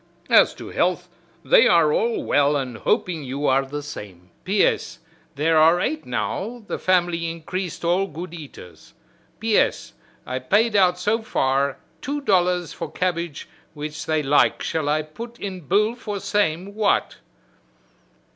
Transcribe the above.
As to health they are all well and hoping you are the same. P. S. There are eight now the family increased all good eaters. P. S. I paid out so far two dollars for cabbage which they like shall I put in bill for same what?"